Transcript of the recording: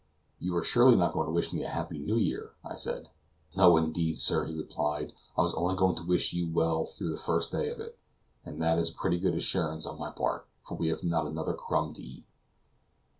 "You are surely not going to wish me a happy New Year?" I said. "No indeed, sir," he replied, "I was only going to wish you well through the first day of it; and that is pretty good assurance on my part, for we have not another crumb to eat."